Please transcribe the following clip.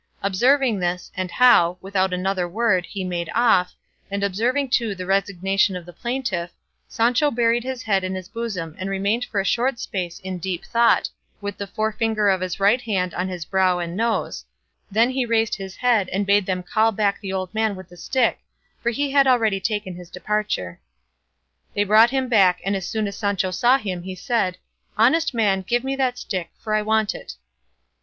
Observing this, and how, without another word, he made off, and observing too the resignation of the plaintiff, Sancho buried his head in his bosom and remained for a short space in deep thought, with the forefinger of his right hand on his brow and nose; then he raised his head and bade them call back the old man with the stick, for he had already taken his departure. They brought him back, and as soon as Sancho saw him he said, "Honest man, give me that stick, for I want it."